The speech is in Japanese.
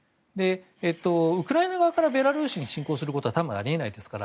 ウクライナ側からベラルーシに侵攻することは多分、あり得ないですから。